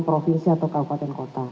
provinsi atau kabupaten kota